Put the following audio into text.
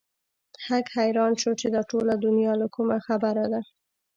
هک حيران شو چې دا ټوله دنيا له کومه خبره ده.